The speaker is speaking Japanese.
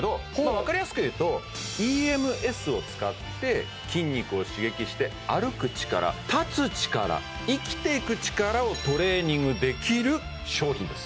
分かりやすくいうとＥＭＳを使って筋肉を刺激して歩く力立つ力生きていく力をトレーニングできる商品です